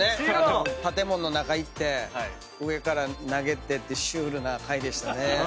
建物の中行って上から投げてってシュールな回でしたね。